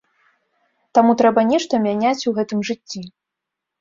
Таму трэба нешта мяняць у гэтым жыцці.